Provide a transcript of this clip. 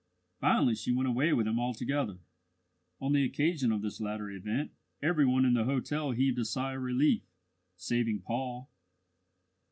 Finally, she went away with him altogether. On the occasion of this latter event every one in the hotel heaved a sigh of relief, saving Paul.